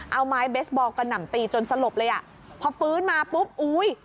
เอาไม้เบสบอลกระหน่ำตีจนสลบเลยอ่ะพอฟื้นมาปุ๊บอุ้ย